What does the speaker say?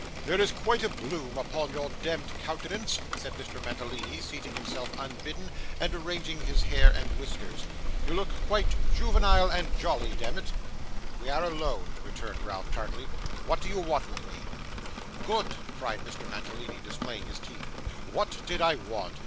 'There is quite a bloom upon your demd countenance,' said Mr. Mantalini, seating himself unbidden, and arranging his hair and whiskers. 'You look quite juvenile and jolly, demmit!' 'We are alone,' returned Ralph, tartly. 'What do you want with me?' 'Good!' cried Mr. Mantalini, displaying his teeth. 'What did I want!